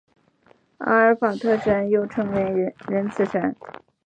阿拉法特山又称为仁慈山。